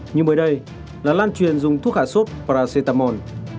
nhưng mới đây là lan truyền dùng thuốc hạ sốt paracetamol